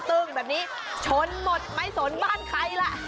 ตึ้งแบบนี้ชนหมดไม่สนบ้านใครล่ะ